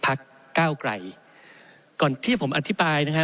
พักก้าวไกลก่อนที่ผมอธิบายนะฮะ